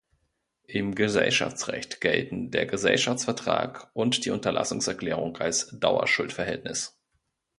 Im Gesellschaftsrecht gelten der Gesellschaftsvertrag und die Unterlassungserklärung als Dauerschuldverhältnis.